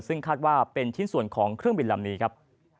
ซึ่งคาดว่าเป็นชิ้นส่วนของเครื่องบินลำนี้ครับ